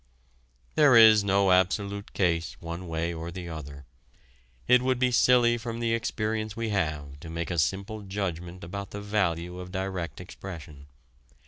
There is no absolute case one way or the other. It would be silly from the experience we have to make a simple judgment about the value of direct expression.